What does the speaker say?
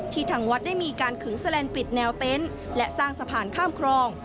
ทางวัดได้มีการขึงแลนด์ปิดแนวเต็นต์และสร้างสะพานข้ามครอง